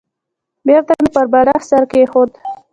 بېرته مې پر بالښت سر کېښود.